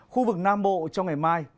khu vực nam bộ trong ngày mai